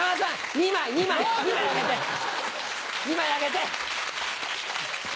２枚あげて！